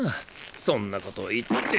そんなこと言って。